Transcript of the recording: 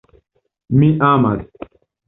Mi amas.